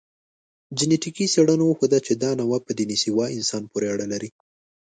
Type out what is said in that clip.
جنټیکي څېړنو وښوده، چې دا نوعه په دنیسووا انسان پورې اړه لري.